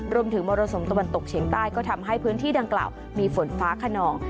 มรสุมตะวันตกเฉียงใต้ก็ทำให้พื้นที่ดังกล่าวมีฝนฟ้าขนอง